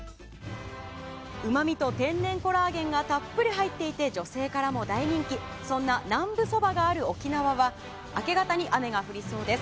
うまみと、天然コラーゲンがたっぷり入っていて女性からも大人気そんな南部そばがある沖縄は明け方に雨が降りそうです。